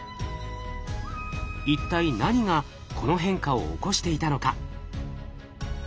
一体何がこの変化を起こしていたのか。